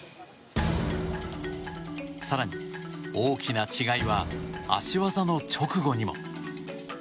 更に、大きな違いは脚技の直後にも。